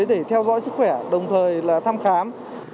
để theo dõi sức khỏe đồng thời là thăm khám